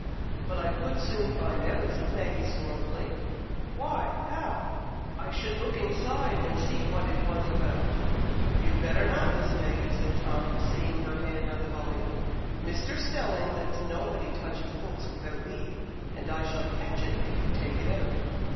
"But I could soon find out," said Maggie, scornfully. "Why, how?" "I should look inside, and see what it was about." "You'd better not, Miss Maggie," said Tom, seeing her hand on the volume. "Mr. Stelling lets nobody touch his books without leave, and I shall catch it if you take it out."